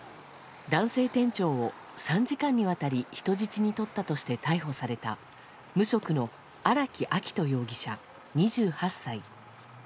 男性店長を３時間にわたり人質に取ったとして逮捕された無職の荒木秋冬容疑者、２８歳。